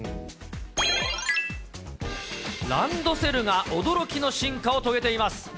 ランドセルが驚きの進化を遂げています。